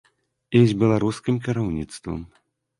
І з беларускім кіраўніцтвам.